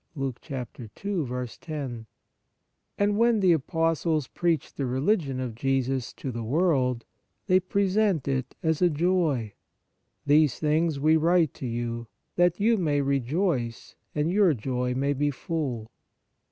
"|| And when the Apostles preach the religion of Jesus to the world, they present it as a joy :" These things we write to you, that you may re joice and your joy may be full.